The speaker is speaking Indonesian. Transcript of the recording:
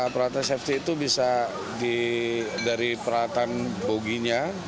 perawatan safety itu bisa dari perawatan buginya